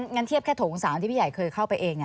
งั้นเทียบแค่โถง๓ที่พี่ใหญ่เคยเข้าไปเอง